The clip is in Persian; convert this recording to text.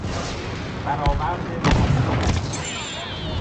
برآورد محاسبه نشده